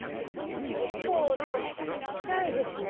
結構何かちっちゃいですね。